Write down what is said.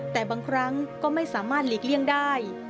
แต่บางครั้งก็ไม่สามารถหลีกเลี่ยงได้